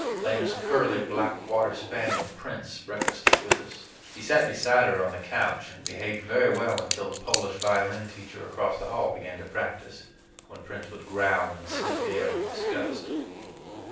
Lena's curly black water spaniel, Prince, breakfasted with us. He sat beside her on the couch and behaved very well until the Polish violin teacher across the hall began to practice, when Prince would growl and sniff the air with disgust.